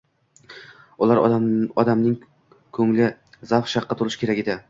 ulardan odamning ko‘ngli zavq-shavqqa to‘lishi kerak edi